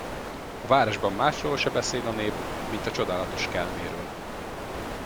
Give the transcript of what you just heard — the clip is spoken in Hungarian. A városban másról se beszél a nép, mint a csodálatos kelméről.